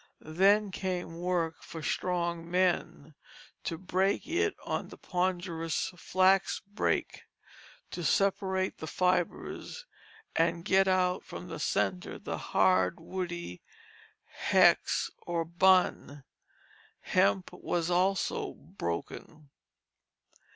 Then came work for strong men, to break it on the ponderous flax brake, to separate the fibres and get out from the centre the hard woody "hexe" or "bun." Hemp was also broken.